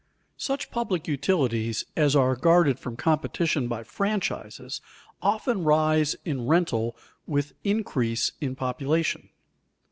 _Such public utilities as are guarded from competition by franchises, often rise in rental with increase in population.